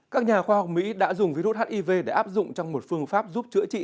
các nhà khoa học mỹ đã dùng virus hiv để áp dụng trong một phương pháp giúp chữa trị